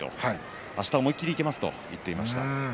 あしたは思い切りいきますと話していました。